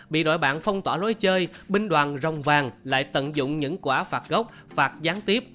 bị đội bạn phong tỏa lối chơi binh đoàn rồng vàng lại tận dụng những quả phạt gốc phạt gián tiếp